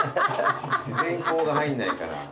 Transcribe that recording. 自然光が入んないから。